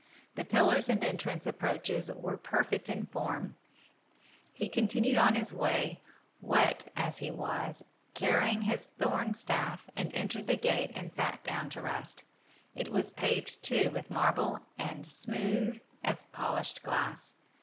The pillars and entrance approaches were perfect in form. He continued his way, wet as he was, carrying his thorn staff, and entered the gate and sat down to rest. It was paved, too, with marble, and smooth as polished glass.